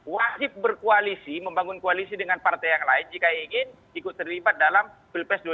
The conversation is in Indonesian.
wasib berkoalisi membangun koalisi dengan partai yang lain jika ingin ikut terlibat dalam berpesona